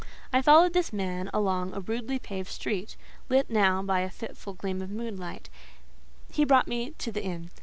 I followed this man along a rudely paved street, lit now by a fitful gleam of moonlight; he brought me to the inn.